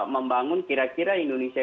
membangun kira kira indonesia